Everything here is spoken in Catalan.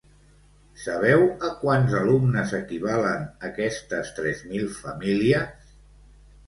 Sabeu a quants alumnes equivalen aquestes tres mil famílies?